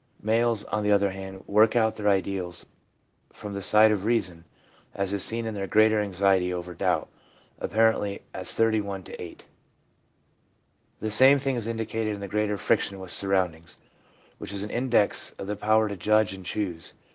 Males, on the other hand, work out their ideals from the side of reason, as is seen in their greater anxiety over doubt — apparently as 31 to 8. The same thing is indicated in the greater friction with surround ings, which is an index of the power to judge and choose.